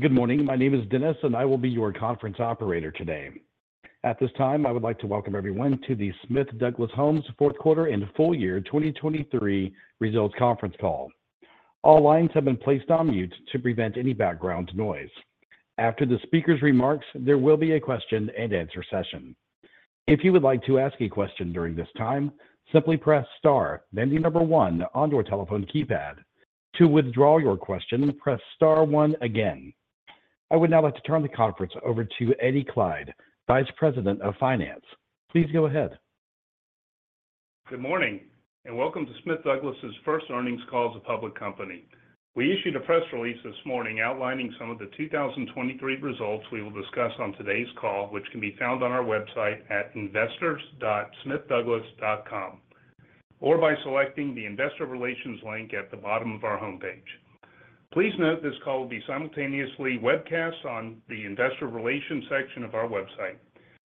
Good morning. My name is Dennis, and I will be your conference operator today. At this time, I would like to welcome everyone to the Smith Douglas Homes fourth quarter and full year 2023 results conference call. All lines have been placed on mute to prevent any background noise. After the speaker's remarks, there will be a question and answer session. If you would like to ask a question during this time, simply press star, then the number 1 on your telephone keypad. To withdraw your question, press star 1 again. I would now like to turn the conference over to Eddie Kleid, Vice President of Finance. Please go ahead. Good morning and welcome to Smith Douglas's first earnings call as a public company. We issued a press release this morning outlining some of the 2023 results we will discuss on today's call, which can be found on our website at investors.smithdouglas.com or by selecting the investor relations link at the bottom of our homepage. Please note this call will be simultaneously webcast on the investor relations section of our website.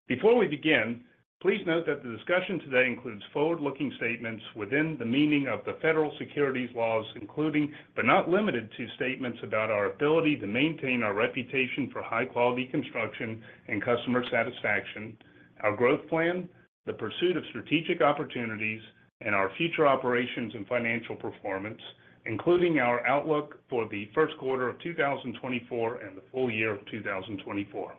Before we begin, please note that the discussion today includes forward-looking statements within the meaning of the federal securities laws, including but not limited to statements about our ability to maintain our reputation for high-quality construction and customer satisfaction, our growth plan, the pursuit of strategic opportunities, and our future operations and financial performance, including our outlook for the first quarter of 2024 and the full year of 2024.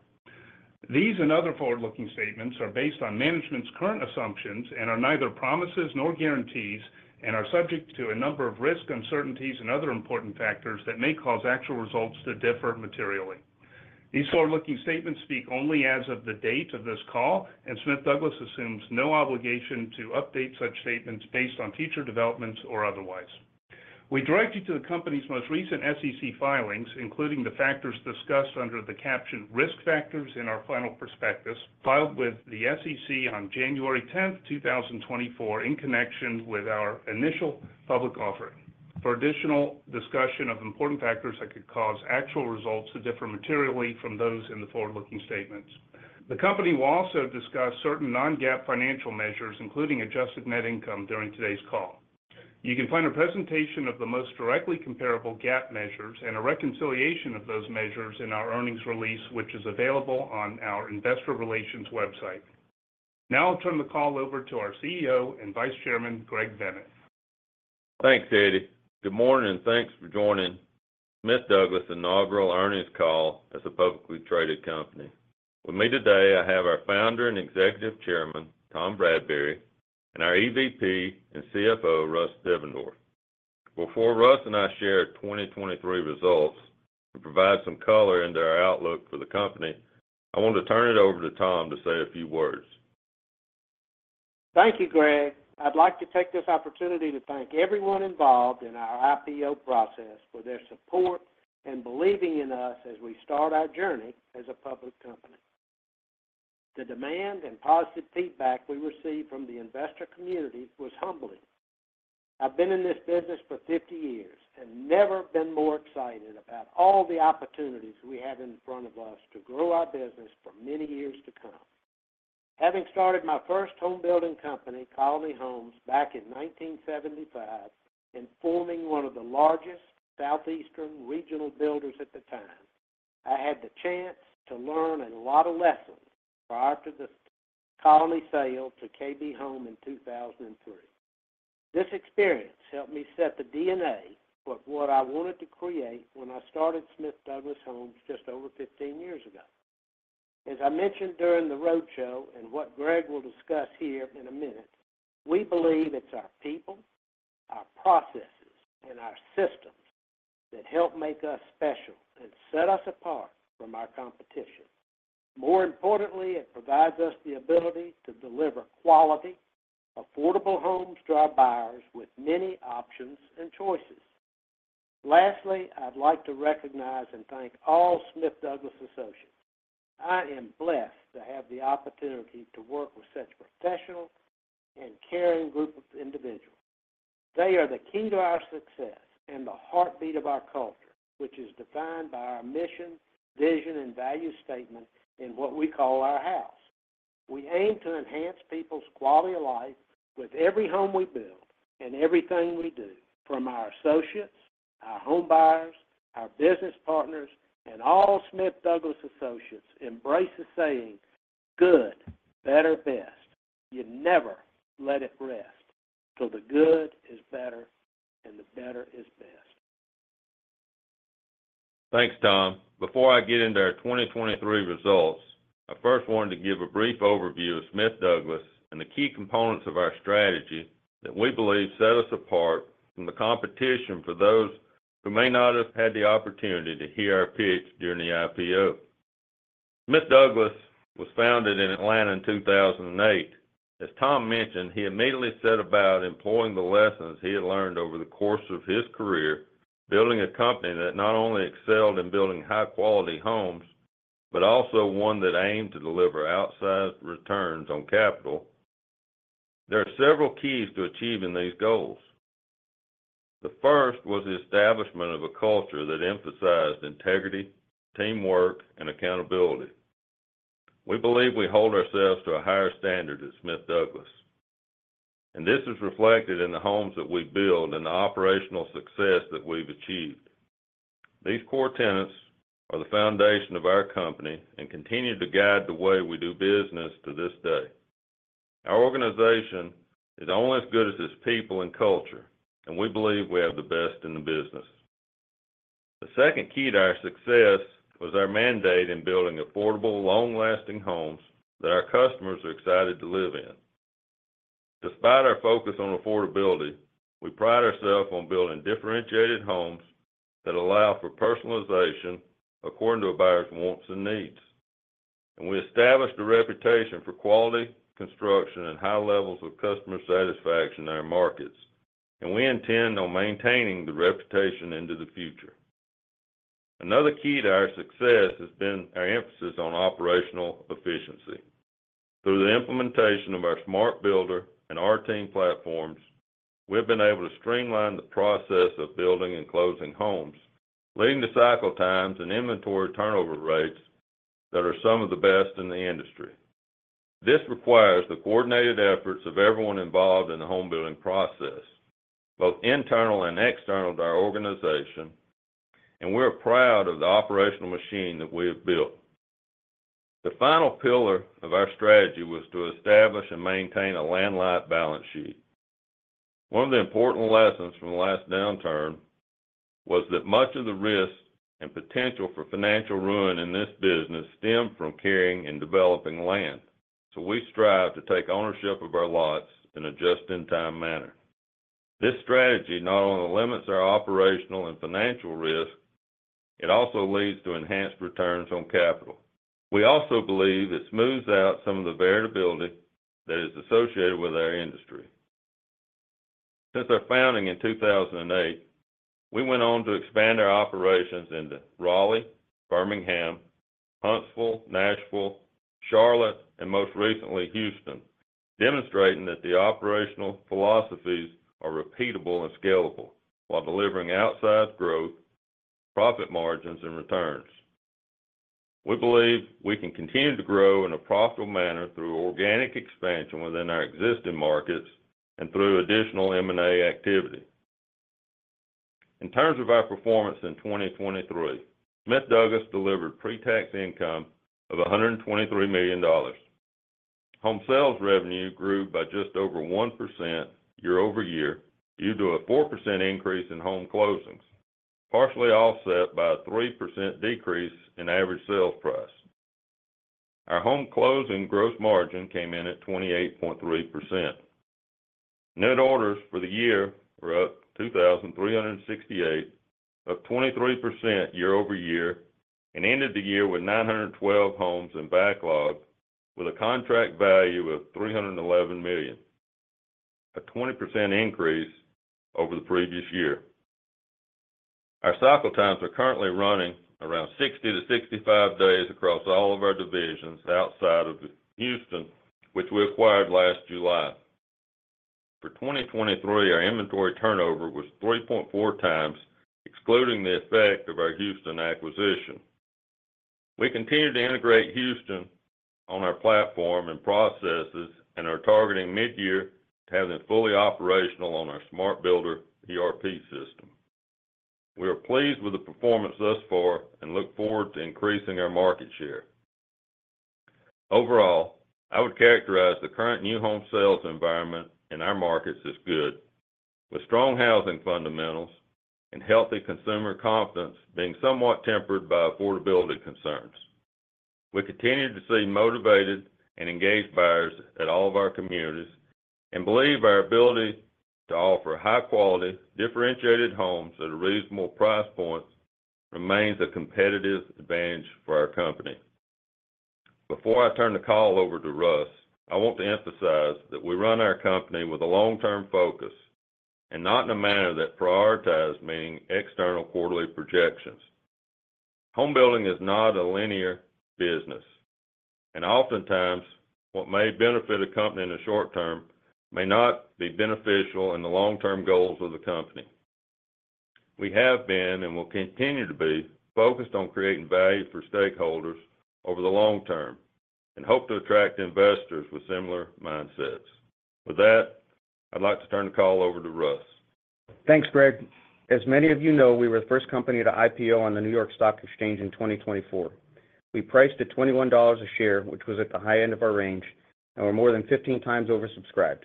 These and other forward-looking statements are based on management's current assumptions and are neither promises nor guarantees, and are subject to a number of risks, uncertainties, and other important factors that may cause actual results to differ materially. These forward-looking statements speak only as of the date of this call, and Smith Douglas Homes assumes no obligation to update such statements based on future developments or otherwise. We direct you to the company's most recent SEC filings, including the factors discussed under the caption "Risk Factors" in our final prospectus filed with the SEC on January 10th, 2024, in connection with our initial public offering for additional discussion of important factors that could cause actual results to differ materially from those in the forward-looking statements. The company will also discuss certain non-GAAP financial measures, including Adjusted Net Income, during today's call. You can find a presentation of the most directly comparable GAAP measures and a reconciliation of those measures in our earnings release, which is available on our investor relations website. Now I'll turn the call over to our CEO and Vice Chairman, Greg Bennett. Thanks, Eddie. Good morning and thanks for joining Smith Douglas Inaugural Earnings Call as a publicly traded company. With me today, I have our founder and Executive Chairman, Tom Bradbury, and our EVP and CFO, Russ Devendorf. Before Russ and I share 2023 results and provide some color into our outlook for the company, I want to turn it over to Tom to say a few words. Thank you, Greg. I'd like to take this opportunity to thank everyone involved in our IPO process for their support and believing in us as we start our journey as a public company. The demand and positive feedback we received from the investor community was humbling. I've been in this business for 50 years and never been more excited about all the opportunities we have in front of us to grow our business for many years to come. Having started my first home-building company, Colony Homes, back in 1975 and forming one of the largest southeastern regional builders at the time, I had the chance to learn a lot of lessons prior to the Colony sale to KB Home in 2003. This experience helped me set the DNA for what I wanted to create when I started Smith Douglas Homes just over 15 years ago. As I mentioned during the roadshow and what Greg will discuss here in a minute, we believe it's our people, our processes, and our systems that help make us special and set us apart from our competition. More importantly, it provides us the ability to deliver quality, affordable homes to our buyers with many options and choices. Lastly, I'd like to recognize and thank all Smith Douglas associates. I am blessed to have the opportunity to work with such professional and caring groups of individuals. They are the key to our success and the heartbeat of our culture, which is defined by our mission, vision, and value statement in what we call Our House. We aim to enhance people's quality of life with every home we build and everything we do. From our associates, our home buyers, our business partners, and all Smith Douglas associates embrace the saying, "Good, better, best." You never let it rest till the good is better and the better is best. Thanks, Tom. Before I get into our 2023 results, I first wanted to give a brief overview of Smith Douglas and the key components of our strategy that we believe set us apart from the competition for those who may not have had the opportunity to hear our pitch during the IPO. Smith Douglas was founded in Atlanta in 2008. As Tom mentioned, he immediately set about employing the lessons he had learned over the course of his career, building a company that not only excelled in building high-quality homes but also one that aimed to deliver outsized returns on capital. There are several keys to achieving these goals. The first was the establishment of a culture that emphasized integrity, teamwork, and accountability. We believe we hold ourselves to a higher standard at Smith Douglas, and this is reflected in the homes that we build and the operational success that we've achieved. These core tenets are the foundation of our company and continue to guide the way we do business to this day. Our organization is only as good as its people and culture, and we believe we have the best in the business. The second key to our success was our mandate in building affordable, long-lasting homes that our customers are excited to live in. Despite our focus on affordability, we pride ourselves on building differentiated homes that allow for personalization according to a buyer's wants and needs. We established a reputation for quality, construction, and high levels of customer satisfaction in our markets, and we intend on maintaining the reputation into the future. Another key to our success has been our emphasis on operational efficiency. Through the implementation of our SmartBuilder and ouERP platforms, we've been able to streamline the process of building and closing homes, leading to cycle times and inventory turnover rates that are some of the best in the industry. This requires the coordinated efforts of everyone involved in the home-building process, both internal and external to our organization, and we're proud of the operational machine that we have built. The final pillar of our strategy was to establish and maintain a land-light balance sheet. One of the important lessons from the last downturn was that much of the risk and potential for financial ruin in this business stemmed from carrying and developing land, so we strive to take ownership of our lots in a just-in-time manner. This strategy not only limits our operational and financial risk, it also leads to enhanced returns on capital. We also believe it smooths out some of the variability that is associated with our industry. Since our founding in 2008, we went on to expand our operations into Raleigh, Birmingham, Huntsville, Nashville, Charlotte, and most recently, Houston, demonstrating that the operational philosophies are repeatable and scalable while delivering outsized growth, profit margins, and returns. We believe we can continue to grow in a profitable manner through organic expansion within our existing markets and through additional M&A activity. In terms of our performance in 2023, Smith Douglas delivered pre-tax income of $123 million. Home sales revenue grew by just over 1% year-over-year due to a 4% increase in home closings, partially offset by a 3% decrease in average sales price. Our home closing gross margin came in at 28.3%. Net orders for the year were up 2,368, up 23% year-over-year, and ended the year with 912 homes in backlog with a contract value of $311 million, a 20% increase over the previous year. Our cycle times are currently running around 60-65 days across all of our divisions outside of Houston, which we acquired last July. For 2023, our inventory turnover was 3.4 times, excluding the effect of our Houston acquisition. We continue to integrate Houston on our platform and processes and are targeting midyear to have them fully operational on our SmartBuilder ERP system. We are pleased with the performance thus far and look forward to increasing our market share. Overall, I would characterize the current new home sales environment in our markets as good, with strong housing fundamentals and healthy consumer confidence being somewhat tempered by affordability concerns. We continue to see motivated and engaged buyers at all of our communities and believe our ability to offer high-quality, differentiated homes at a reasonable price point remains a competitive advantage for our company. Before I turn the call over to Russ, I want to emphasize that we run our company with a long-term focus and not in a manner that prioritizes meeting external quarterly projections. Home building is not a linear business, and oftentimes what may benefit a company in the short term may not be beneficial in the long-term goals of the company. We have been and will continue to be focused on creating value for stakeholders over the long term and hope to attract investors with similar mindsets. With that, I'd like to turn the call over to Russ. Thanks, Greg. As many of you know, we were the first company to IPO on the New York Stock Exchange in 2024. We priced at $21 a share, which was at the high end of our range, and were more than 15 times oversubscribed.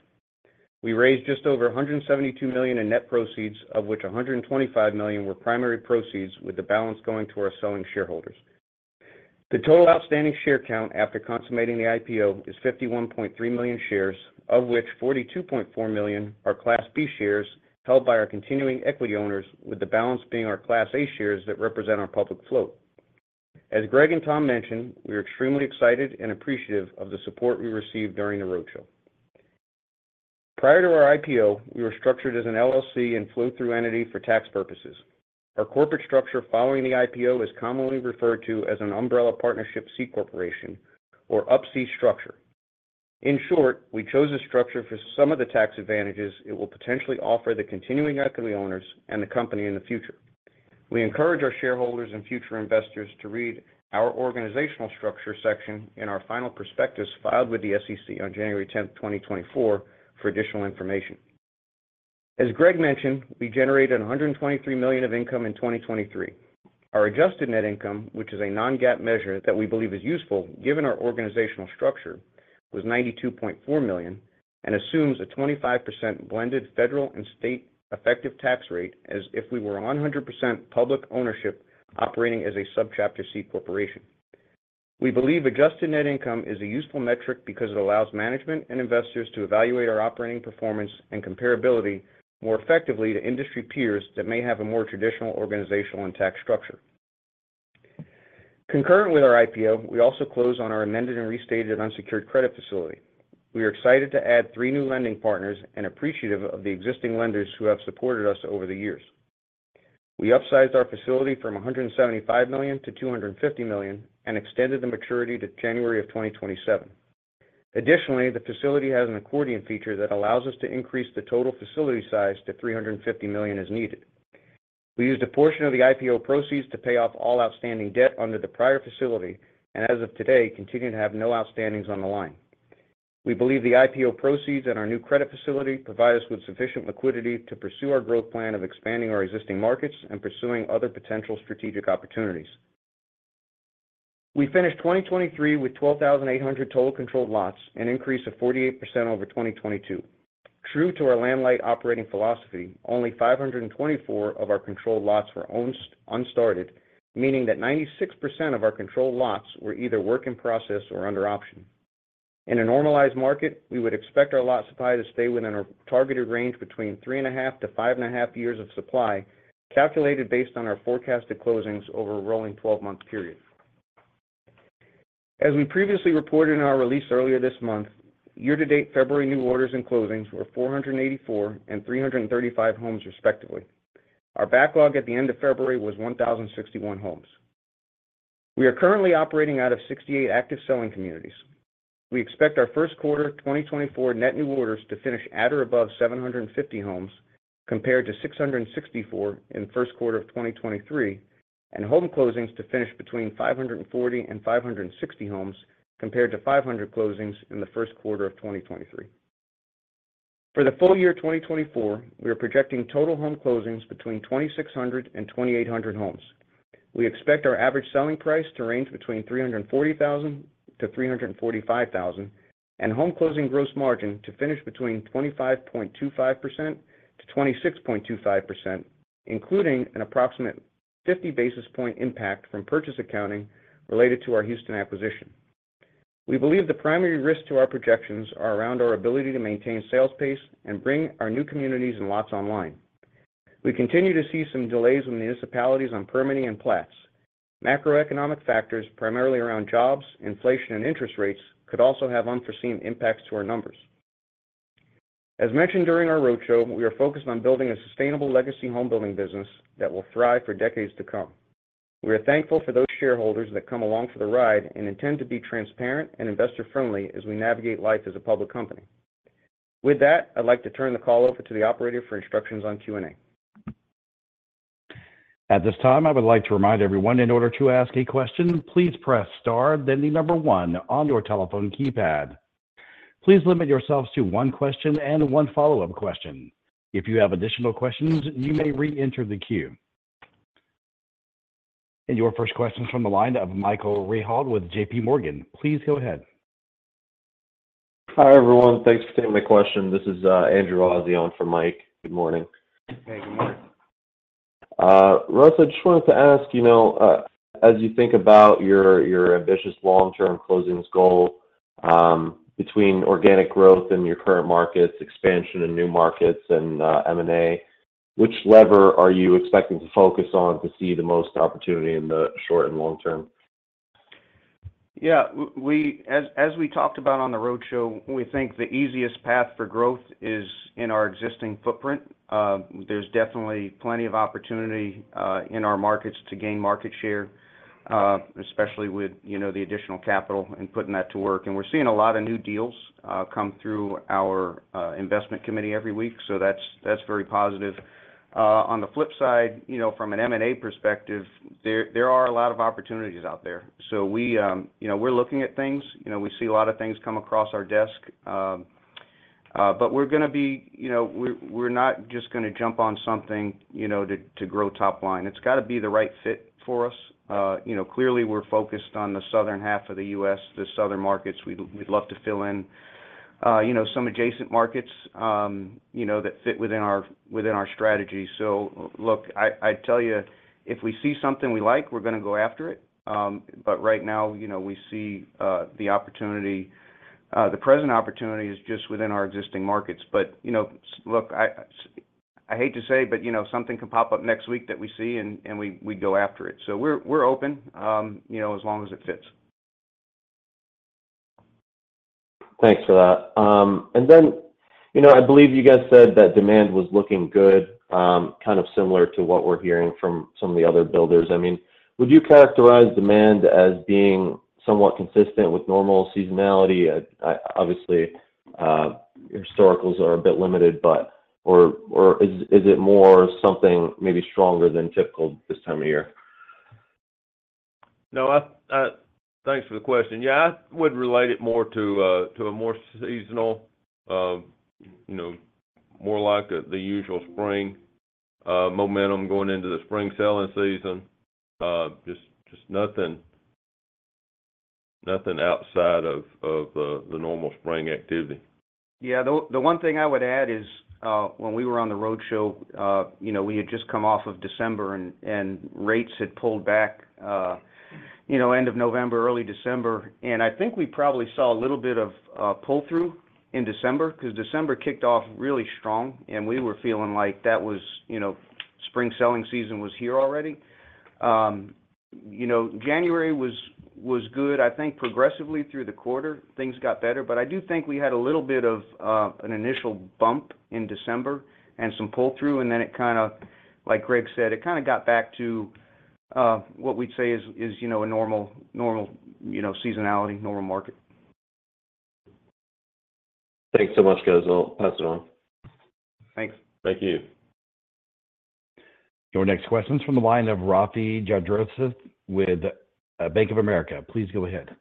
We raised just over $172 million in net proceeds, of which $125 million were primary proceeds, with the balance going to our selling shareholders. The total outstanding share count after consummating the IPO is 51.3 million shares, of which 42.4 million are Class B shares held by our continuing equity owners, with the balance being our Class A shares that represent our public float. As Greg and Tom mentioned, we are extremely excited and appreciative of the support we received during the roadshow. Prior to our IPO, we were structured as an LLC and flow-through entity for tax purposes. Our corporate structure following the IPO is commonly referred to as an umbrella partnership C Corporation or Up-C structure. In short, we chose this structure for some of the tax advantages it will potentially offer the continuing equity owners and the company in the future. We encourage our shareholders and future investors to read our organizational structure section in our final prospectus filed with the SEC on January 10th, 2024, for additional information. As Greg mentioned, we generated $123 million of income in 2023. Our Adjusted Net Income, which is a non-GAAP measure that we believe is useful given our organizational structure, was $92.4 million and assumes a 25% blended federal and state effective tax rate as if we were 100% public ownership operating as a subchapter C Corporation. We believe Adjusted Net Income is a useful metric because it allows management and investors to evaluate our operating performance and comparability more effectively to industry peers that may have a more traditional organizational and tax structure. Concurrent with our IPO, we also closed on our amended and restated unsecured credit facility. We are excited to add three new lending partners and appreciative of the existing lenders who have supported us over the years. We upsized our facility from $175 million to $250 million and extended the maturity to January of 2027. Additionally, the facility has an accordion feature that allows us to increase the total facility size to $350 million as needed. We used a portion of the IPO proceeds to pay off all outstanding debt under the prior facility and, as of today, continue to have no outstandings on the line. We believe the IPO proceeds and our new credit facility provide us with sufficient liquidity to pursue our growth plan of expanding our existing markets and pursuing other potential strategic opportunities. We finished 2023 with 12,800 total controlled lots, an increase of 48% over 2022. True to our land-light operating philosophy, only 524 of our controlled lots were unstarted, meaning that 96% of our controlled lots were either work in process or under option. In a normalized market, we would expect our lot supply to stay within a targeted range between 3.5-5.5 years of supply, calculated based on our forecasted closings over a rolling 12-month period. As we previously reported in our release earlier this month, year-to-date February new orders and closings were 484 and 335 homes, respectively. Our backlog at the end of February was 1,061 homes. We are currently operating out of 68 active selling communities. We expect our first quarter 2024 net new orders to finish at or above 750 homes compared to 664 in the first quarter of 2023, and home closings to finish between 540 and 560 homes compared to 500 closings in the first quarter of 2023. For the full year 2024, we are projecting total home closings between 2,600 and 2,800 homes. We expect our average selling price to range between $340,000-$345,000, and home closing gross margin to finish between 25.25%-26.25%, including an approximate 50 basis point impact from purchase accounting related to our Houston acquisition. We believe the primary risks to our projections are around our ability to maintain sales pace and bring our new communities and lots online. We continue to see some delays with municipalities on permitting and plats. Macroeconomic factors, primarily around jobs, inflation, and interest rates, could also have unforeseen impacts to our numbers. As mentioned during our roadshow, we are focused on building a sustainable legacy home building business that will thrive for decades to come. We are thankful for those shareholders that come along for the ride and intend to be transparent and investor-friendly as we navigate life as a public company. With that, I'd like to turn the call over to the operator for instructions on Q&A. At this time, I would like to remind everyone, in order to ask a question, please press star, then the number one on your telephone keypad. Please limit yourselves to one question and one follow-up question. If you have additional questions, you may reenter the queue. Your first question is from the line of Michael Rehaut with JP Morgan. Please go ahead. Hi everyone. Thanks for taking my question. This is Andrew Azzi from JP Morgan. Good morning. Hey. Good morning. Russ, I just wanted to ask, as you think about your ambitious long-term closings goal between organic growth and your current markets, expansion and new markets, and M&A, which lever are you expecting to focus on to see the most opportunity in the short and long term? Yeah. As we talked about on the roadshow, we think the easiest path for growth is in our existing footprint. There's definitely plenty of opportunity in our markets to gain market share, especially with the additional capital and putting that to work. And we're seeing a lot of new deals come through our investment committee every week, so that's very positive. On the flip side, from an M&A perspective, there are a lot of opportunities out there. So we're looking at things. We see a lot of things come across our desk, but we're not just going to jump on something to grow topline. It's got to be the right fit for us. Clearly, we're focused on the southern half of the U.S., the southern markets. We'd love to fill in some adjacent markets that fit within our strategy. So look, I'd tell you, if we see something we like, we're going to go after it. But right now, we see the opportunity the present opportunity is just within our existing markets. But look, I hate to say, but something can pop up next week that we see, and we'd go after it. So we're open as long as it fits. Thanks for that. And then I believe you guys said that demand was looking good, kind of similar to what we're hearing from some of the other builders. I mean, would you characterize demand as being somewhat consistent with normal seasonality? Obviously, your historicals are a bit limited, but or is it more something maybe stronger than typical this time of year? No, thanks for the question. Yeah, I would relate it more to a more seasonal, more like the usual spring momentum going into the spring selling season. Just nothing outside of the normal spring activity. Yeah. The one thing I would add is when we were on the roadshow, we had just come off of December, and rates had pulled back end of November, early December. And I think we probably saw a little bit of pull-through in December because December kicked off really strong, and we were feeling like that was spring selling season was here already. January was good. I think progressively through the quarter, things got better. But I do think we had a little bit of an initial bump in December and some pull-through, and then it kind of, like Greg said, it kind of got back to what we'd say is a normal seasonality, normal market. Thanks so much, guys. I'll pass it on. Thanks. Thank you. Your next question is from the line of Rafe Jadrosich with Bank of America. Please go ahead.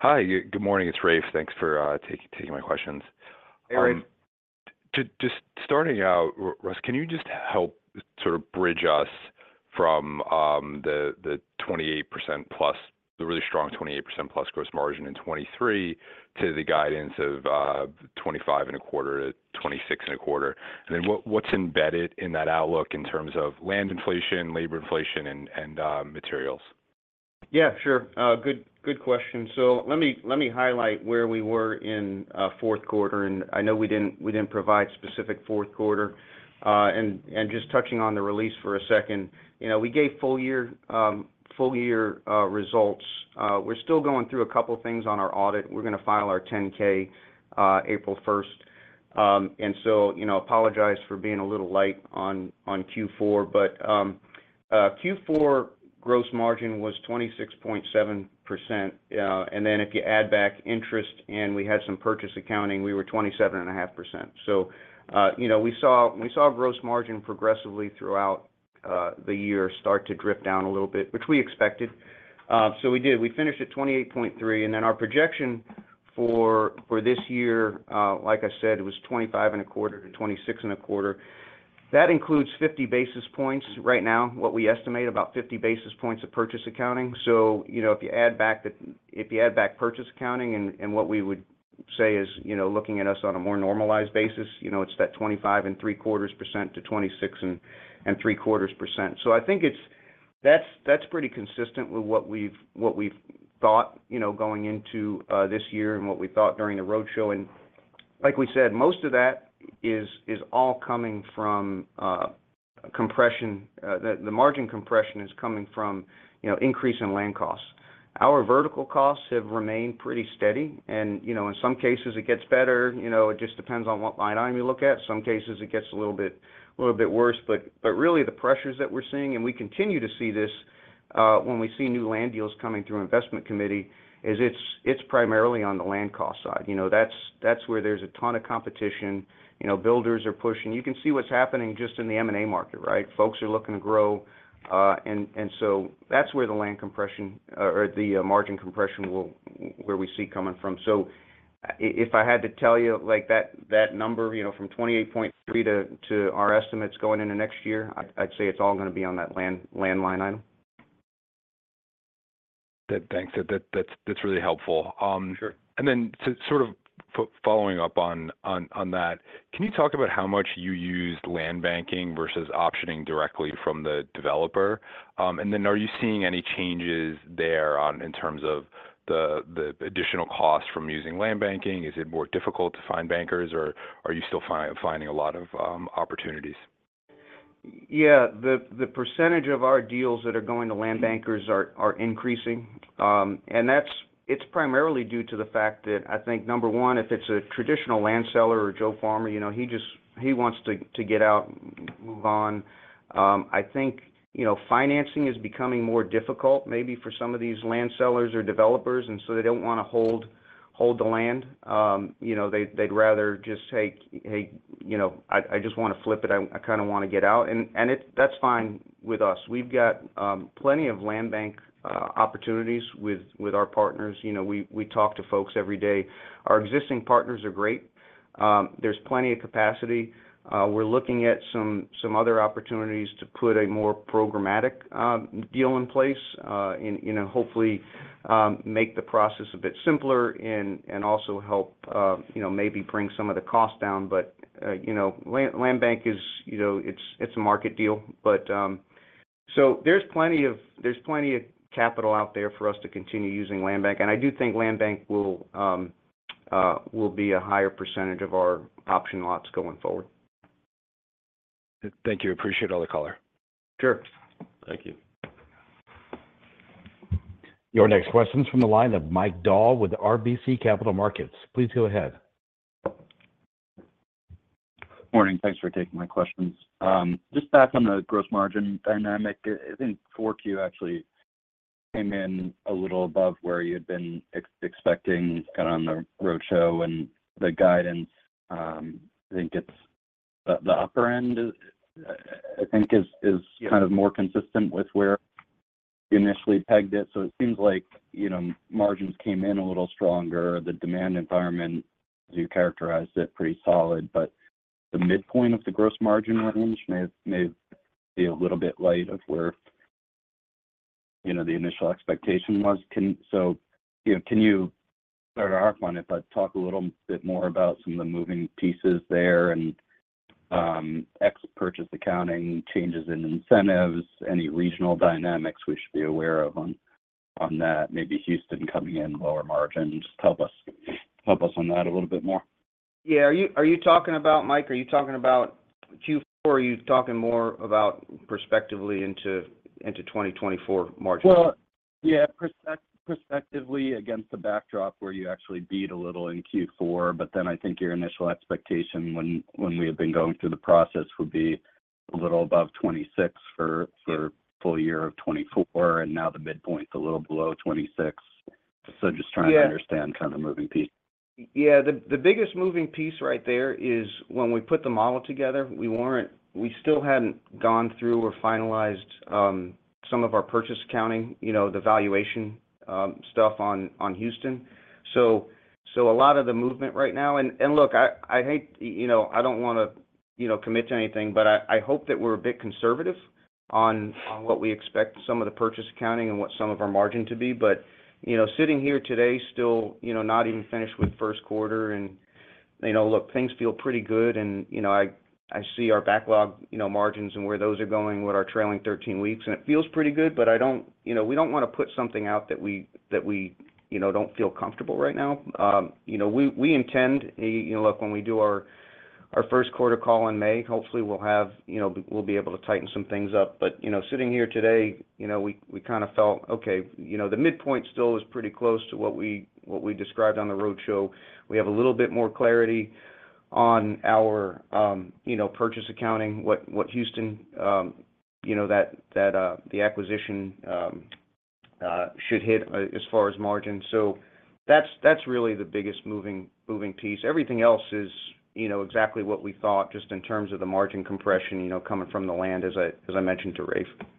Hi. Good morning. It's Rafe. Thanks for taking my questions. Just starting out, Russ, can you just help sort of bridge us from the 28%+, the really strong 28%+ gross margin in 2023 to the guidance of 25.25%-26.25%? And then what's embedded in that outlook in terms of land inflation, labor inflation, and materials? Yeah, sure. Good question. So let me highlight where we were in fourth quarter. I know we didn't provide specific fourth quarter. Just touching on the release for a second, we gave full-year results. We're still going through a couple of things on our audit. We're going to file our 10-K April 1st. So apologize for being a little light on Q4. But Q4 gross margin was 26.7%. Then if you add back interest and we had some purchase accounting, we were 27.5%. So we saw gross margin progressively throughout the year start to drip down a little bit, which we expected. So we did. We finished at 28.3%. Then our projection for this year, like I said, was 25.25%-26.25%. That includes 50 basis points right now, what we estimate, about 50 basis points of purchase accounting. So if you add back purchase accounting and what we would say is looking at us on a more normalized basis, it's that 25.75%-26.75%. So I think that's pretty consistent with what we've thought going into this year and what we thought during the roadshow. And like we said, most of that is all coming from compression. The margin compression is coming from increase in land costs. Our vertical costs have remained pretty steady. And in some cases, it gets better. It just depends on what line item you look at. In some cases, it gets a little bit worse. But really, the pressures that we're seeing - and we continue to see this when we see new land deals coming through investment committee - is it's primarily on the land cost side. That's where there's a ton of competition. Builders are pushing. You can see what's happening just in the M&A market, right? Folks are looking to grow. And so that's where the land compression or the margin compression will where we see coming from. So if I had to tell you that number from 28.3 to our estimates going into next year, I'd say it's all going to be on that land line item. Thanks. That's really helpful. Then sort of following up on that, can you talk about how much you used land banking versus optioning directly from the developer? Then are you seeing any changes there in terms of the additional cost from using land banking? Is it more difficult to find bankers, or are you still finding a lot of opportunities? Yeah. The percentage of our deals that are going to land bankers are increasing. And it's primarily due to the fact that I think, number one, if it's a traditional land seller or Joe Farmer, he wants to get out, move on. I think financing is becoming more difficult maybe for some of these land sellers or developers, and so they don't want to hold the land. They'd rather just say, "Hey, I just want to flip it. I kind of want to get out." And that's fine with us. We've got plenty of land bank opportunities with our partners. We talk to folks every day. Our existing partners are great. There's plenty of capacity. We're looking at some other opportunities to put a more programmatic deal in place, hopefully make the process a bit simpler, and also help maybe bring some of the cost down. But land bank, it's a market deal. So there's plenty of capital out there for us to continue using land bank. And I do think land bank will be a higher percentage of our option lots going forward. Thank you. Appreciate all the color. Sure. Thank you. Your next question is from the line of Mike Dahl with RBC Capital Markets. Please go ahead. Good morning. Thanks for taking my questions. Just back on the gross margin dynamic, I think 4Q actually came in a little above where you had been expecting kind of on the roadshow and the guidance. I think it's the upper end, I think, is kind of more consistent with where you initially pegged it. So it seems like margins came in a little stronger. The demand environment, as you characterized it, pretty solid. But the midpoint of the gross margin range may be a little bit light of where the initial expectation was. So can you start off on it, but talk a little bit more about some of the moving pieces there and ex-purchase accounting, changes in incentives, any regional dynamics we should be aware of on that, maybe Houston coming in lower margin? Just help us on that a little bit more. Yeah. Are you talking about, Mike, are you talking about Q4, or are you talking more about prospectively into 2024 margin? Well, yeah, prospectively against the backdrop where you actually beat a little in Q4. But then I think your initial expectation when we had been going through the process would be a little above 26 for full year of 2024, and now the midpoint's a little below 26. So just trying to understand kind of the moving pieces. Yeah. The biggest moving piece right there is when we put the model together, we still hadn't gone through or finalized some of our purchase accounting, the valuation stuff on Houston. So a lot of the movement right now and look, I hate I don't want to commit to anything, but I hope that we're a bit conservative on what we expect some of the purchase accounting and what some of our margin to be. But sitting here today, still not even finished with first quarter. And look, things feel pretty good. And I see our backlog margins and where those are going, what our trailing 13 weeks. And it feels pretty good, but I don't we don't want to put something out that we don't feel comfortable right now. We intend, look, when we do our first quarter call in May, hopefully, we'll be able to tighten some things up. But sitting here today, we kind of felt, "Okay." The midpoint still is pretty close to what we described on the roadshow. We have a little bit more clarity on our purchase accounting, what the Houston acquisition should hit as far as margin. So that's really the biggest moving piece. Everything else is exactly what we thought just in terms of the margin compression coming from the land, as I mentioned to Rafe.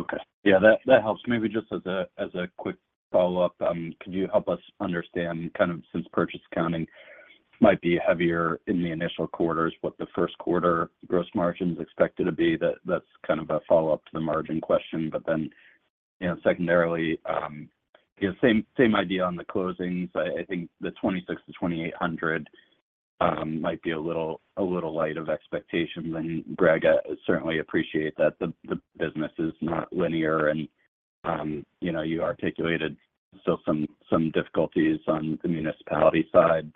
Okay. Yeah, that helps. Maybe just as a quick follow-up, could you help us understand kind of since purchase accounting might be heavier in the initial quarters, what the first quarter gross margin's expected to be? That's kind of a follow-up to the margin question. But then secondarily, same idea on the closings. I think the 2,600-2,800 might be a little light of expectations. And Greg, I certainly appreciate that. The business is not linear. And you articulated still some difficulties on the municipality side.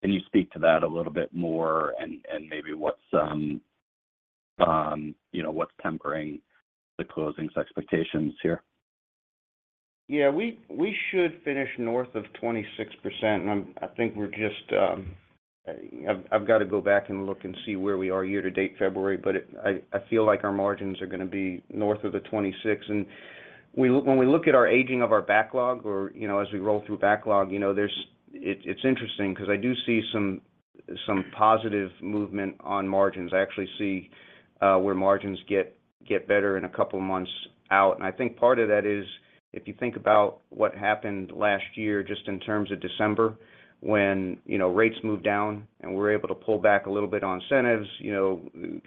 But can you speak to that a little bit more and maybe what's tempering the closings expectations here? Yeah. We should finish north of 26%. And I think we're just, I've got to go back and look and see where we are year to date, February. But I feel like our margins are going to be north of the 26%. And when we look at our aging of our backlog or as we roll through backlog, it's interesting because I do see some positive movement on margins. I actually see where margins get better in a couple of months out. And I think part of that is if you think about what happened last year just in terms of December when rates moved down and we were able to pull back a little bit on incentives,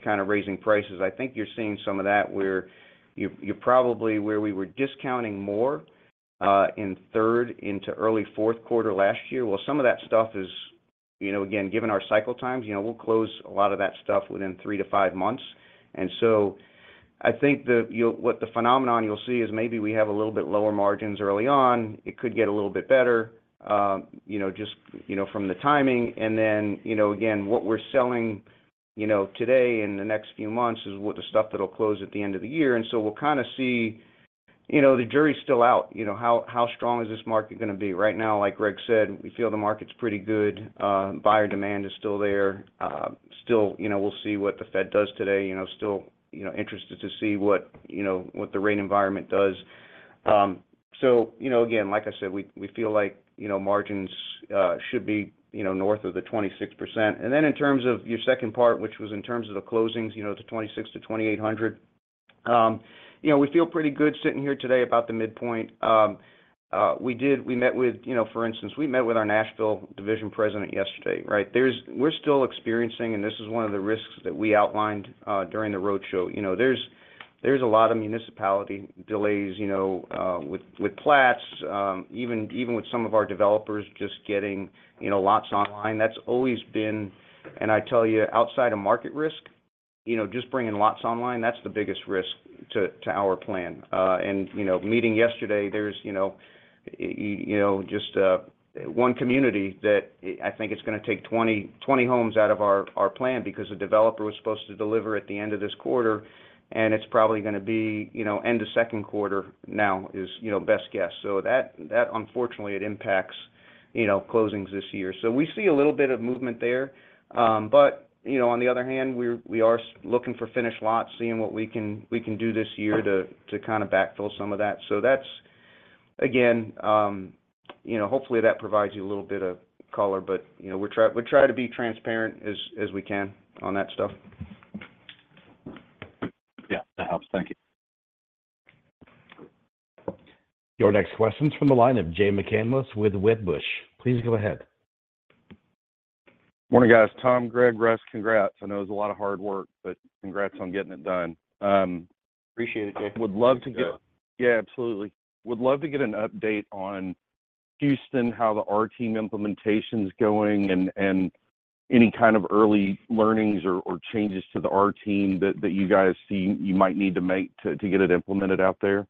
kind of raising prices. I think you're seeing some of that where you're probably where we were discounting more in third into early fourth quarter last year. Well, some of that stuff is again, given our cycle times, we'll close a lot of that stuff within 3-5 months. And so I think what the phenomenon you'll see is maybe we have a little bit lower margins early on. It could get a little bit better just from the timing. And then again, what we're selling today in the next few months is the stuff that'll close at the end of the year. And so we'll kind of see the jury's still out. How strong is this market going to be? Right now, like Greg said, we feel the market's pretty good. Buyer demand is still there. Still, we'll see what the Fed does today. Still interested to see what the rate environment does. So again, like I said, we feel like margins should be north of the 26%. And then in terms of your second part, which was in terms of the closings, the 2,600-2,800, we feel pretty good sitting here today about the midpoint. We met with for instance, we met with our Nashville division president yesterday, right? We're still experiencing and this is one of the risks that we outlined during the roadshow. There's a lot of municipality delays with plats, even with some of our developers just getting lots online. That's always been, and I tell you, outside of market risk, just bringing lots online, that's the biggest risk to our plan. And meeting yesterday, there's just one community that I think it's going to take 20 homes out of our plan because a developer was supposed to deliver at the end of this quarter. And it's probably going to be end of second quarter now is best guess. So that, unfortunately, it impacts closings this year. So we see a little bit of movement there. But on the other hand, we are looking for finished lots, seeing what we can do this year to kind of backfill some of that. So again, hopefully, that provides you a little bit of color. But we try to be transparent as we can on that stuff. Yeah, that helps. Thank you. Your next question is from the line of Jay McCanless with Wedbush. Please go ahead. Morning, guys. Tom, Greg, Russ, congrats. I know it's a lot of hard work, but congrats on getting it done. Appreciate it, Jay. Would love to get an update on Houston, how the ERP implementation's going, and any kind of early learnings or changes to the ERP that you guys see you might need to make to get it implemented out there.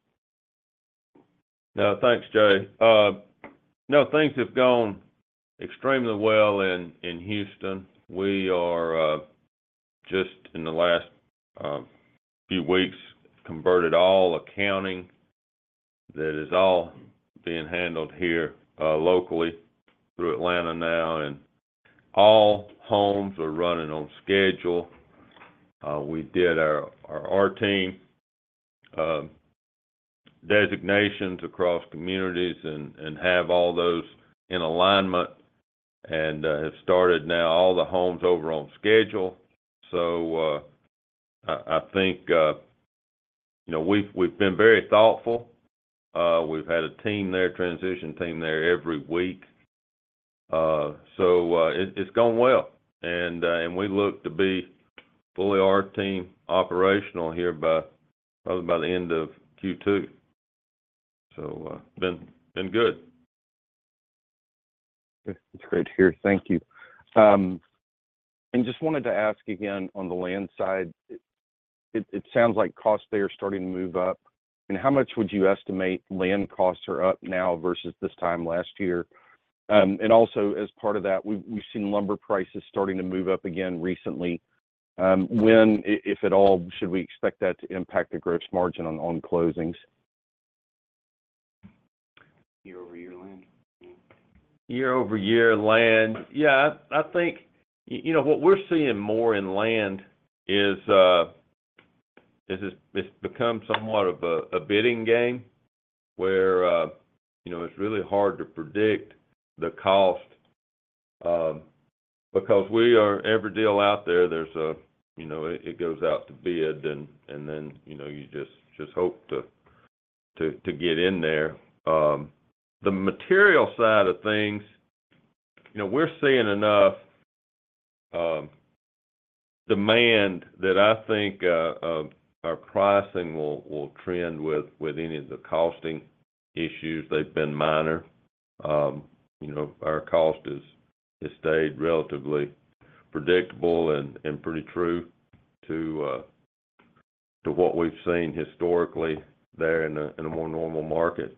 No, thanks, Jay. No, things have gone extremely well in Houston. We are just in the last few weeks converted all accounting that is all being handled here locally through Atlanta now. And all homes are running on schedule. We did our ERP designations across communities and have all those in alignment and have started now all the homes over on schedule. So I think we've been very thoughtful. We've had a team there, transition team there every week. So it's gone well. And we look to be fully ERP operational here probably by the end of Q2. So it's been good. Okay. That's great to hear. Thank you. Just wanted to ask again on the land side. It sounds like costs there are starting to move up. How much would you estimate land costs are up now versus this time last year? Also as part of that, we've seen lumber prices starting to move up again recently. When, if at all, should we expect that to impact the gross margin on closings? Year-over-year land? Year-over-year land. Yeah. I think what we're seeing more in land is it's become somewhat of a bidding game where it's really hard to predict the cost because we are every deal out there, it goes out to bid, and then you just hope to get in there. The material side of things, we're seeing enough demand that I think our pricing will trend with any of the costing issues. They've been minor. Our cost has stayed relatively predictable and pretty true to what we've seen historically there in a more normal market.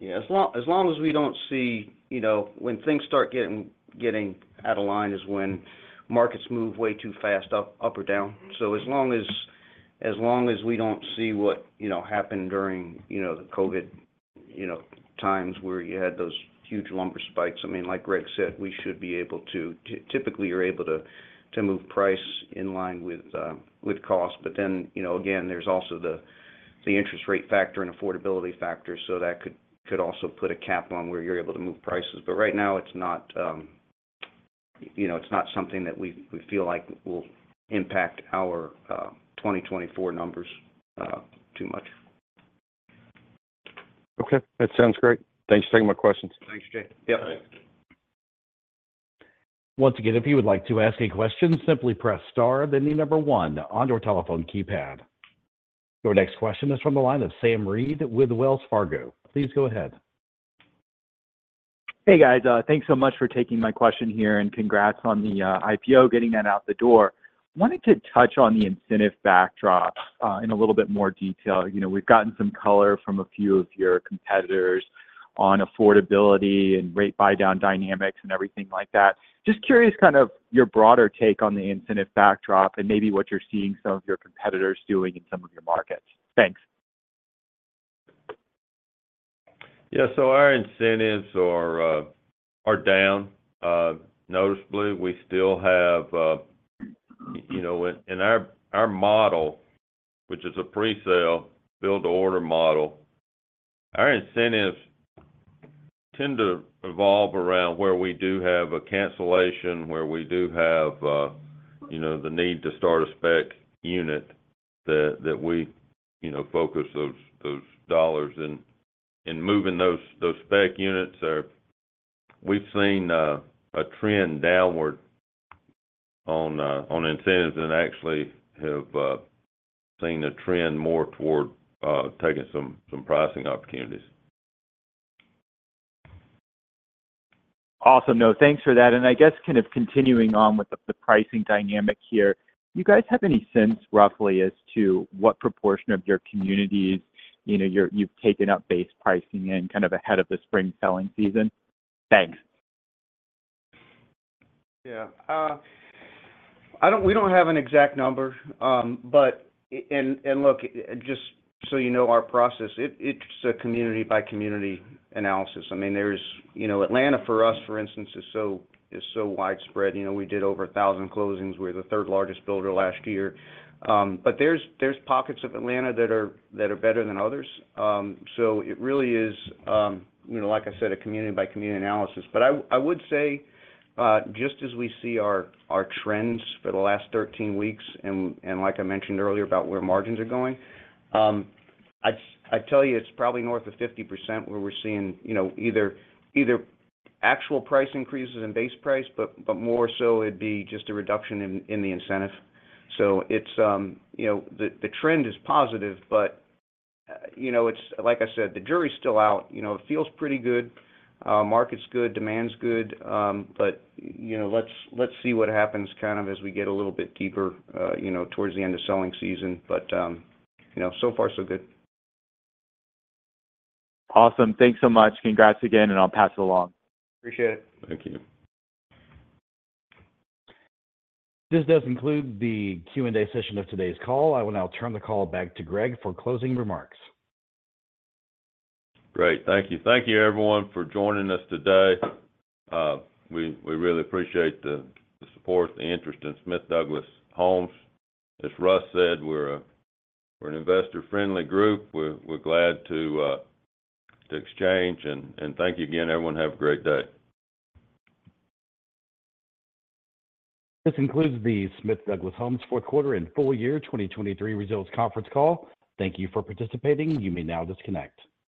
Yeah. As long as we don't see when things start getting out of line is when markets move way too fast up or down. So as long as we don't see what happened during the COVID times where you had those huge lumber spikes, I mean, like Greg said, we should be able to typically, you're able to move price in line with cost. But then again, there's also the interest rate factor and affordability factor. So that could also put a cap on where you're able to move prices. But right now, it's not something that we feel like will impact our 2024 numbers too much. Okay. That sounds great. Thanks for taking my questions. Thanks, Jay. Yep. Once again, if you would like to ask a question, simply press star, then the number one on your telephone keypad. Your next question is from the line of Sam Reid with Wells Fargo. Please go ahead. Hey, guys. Thanks so much for taking my question here and congrats on the IPO, getting that out the door. Wanted to touch on the incentive backdrop in a little bit more detail. We've gotten some color from a few of your competitors on affordability and rate buy-down dynamics and everything like that. Just curious kind of your broader take on the incentive backdrop and maybe what you're seeing some of your competitors doing in some of your markets. Thanks. Yeah. So our incentives are down noticeably. We still have in our model, which is a presale, build-to-order model, our incentives tend to revolve around where we do have a cancellation, where we do have the need to start a spec unit that we focus those dollars in. And moving those spec units, we've seen a trend downward on incentives and actually have seen a trend more toward taking some pricing opportunities. Awesome. No, thanks for that. And I guess kind of continuing on with the pricing dynamic here, do you guys have any sense roughly as to what proportion of your communities you've taken up base pricing in kind of ahead of the spring selling season? Thanks. Yeah. We don't have an exact number. But look, just so you know our process, it's a community-by-community analysis. I mean, there's Atlanta for us, for instance, is so widespread. We did over 1,000 closings. We were the third-largest builder last year. But there's pockets of Atlanta that are better than others. So it really is, like I said, a community-by-community analysis. But I would say just as we see our trends for the last 13 weeks and like I mentioned earlier about where margins are going, I tell you, it's probably north of 50% where we're seeing either actual price increases and base price, but more so, it'd be just a reduction in the incentive. So the trend is positive. But like I said, the jury's still out. It feels pretty good. Market's good. Demand's good. Let's see what happens kind of as we get a little bit deeper towards the end of selling season. So far, so good. Awesome. Thanks so much. Congrats again, and I'll pass it along. Appreciate it. Thank you. This does conclude the Q&A session of today's call. I will now turn the call back to Greg for closing remarks. Great. Thank you. Thank you, everyone, for joining us today. We really appreciate the support, the interest, and Smith Douglas Homes. As Russ said, we're an investor-friendly group. We're glad to exchange. Thank you again, everyone. Have a great day. This includes the Smith Douglas Homes fourth quarter and full year 2023 results conference call. Thank you for participating. You may now disconnect.